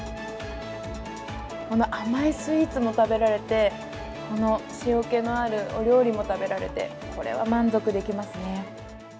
この甘いスイーツも食べられてこの塩気のあるお料理も食べられて、これは満足できますね。